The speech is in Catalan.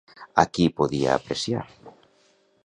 A qui podia apreciar?